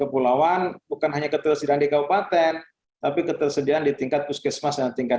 kepulauan bukan hanya ketersediaan di kabupaten tapi ketersediaan di tingkat puskesmas dan tingkat